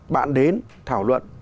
bạn đến thảo luận